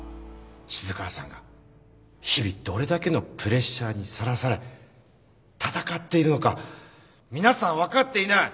静川さんが日々どれだけのプレッシャーにさらされ闘っているのか皆さん分かっていない。